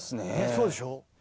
そうでしょ。